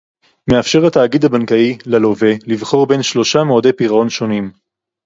מאפשר התאגיד הבנקאי ללווה לבחור בין שלושה מועדי פירעון שונים